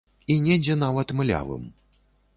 І недзе нават млявым.